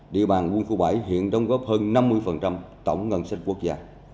địa bàn quân khu bảy hiện đóng góp hơn năm mươi tổng ngân sách quốc gia